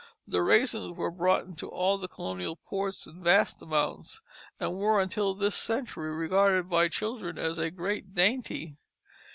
Raisins were brought into all the colonial ports in vast amounts, and were until this century regarded by children as a great dainty.